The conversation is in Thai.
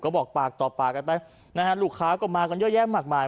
ก็บอกปากต่อปากกันไปนะฮะลูกค้าก็มากันเยอะแยะมากมาย